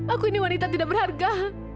aku ini wanita tidak berharga